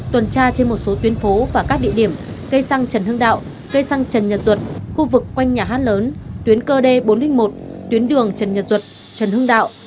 tuần tra trên một số tuyến phố và các địa điểm cây xăng trần hưng đạo cây xăng trần nhật duật khu vực quanh nhà hát lớn tuyến cơ d bốn trăm linh một tuyến đường trần nhật duật trần hưng đạo